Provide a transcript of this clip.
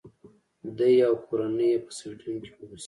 دی او کورنۍ یې په سویډن کې اوسي.